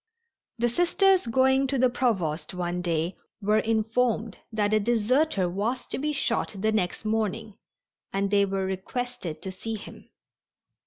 The Sisters going to the Provost one day were informed that a deserter was to be shot the next morning, and they were requested to see him.